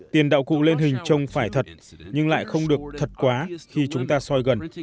tiền đạo cụ lên hình trông phải thật nhưng lại không được thật quá khi chúng ta soi gần